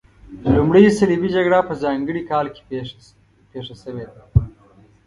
لومړۍ صلیبي جګړه په ځانګړي کال کې پیښه شوې ده.